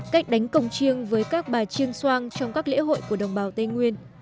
cách đánh cồng chiêng với các bà chiêng soang trong các lễ hội của đồng bào tây nguyên